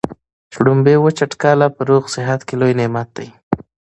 شلومبې او وچه ډوډۍ په روغ صحت کي لوی نعمت دی.